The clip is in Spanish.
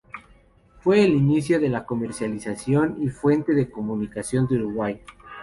Fue el inicio de la comercialización y fuente de comunicación de Uruguay.